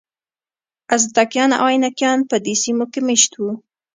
ازتکیان او اینکایان په دې سیمو کې مېشت وو.